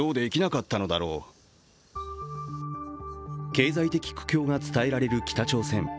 経済的苦境が伝えられる北朝鮮。